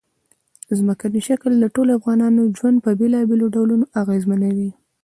ځمکنی شکل د ټولو افغانانو ژوند په بېلابېلو ډولونو اغېزمنوي.